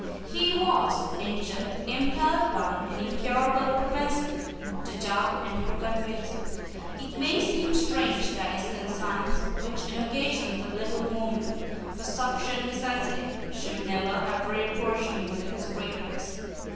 He was, in truth, impelled by an incurable propensity to dark and crooked ways. It may seem strange that his conscience, which, on occasions of little moment, was sufficiently sensitive, should never have reproached him with this great vice.